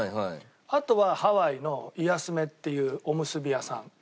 あとはハワイのいやす夢っていうおむすび屋さん。